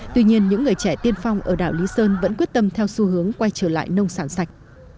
tuy nhiên những người trẻ tiên phong ở đảo lý sơn vẫn quyết tâm theo xu hướng quay trở lại nông sản sạch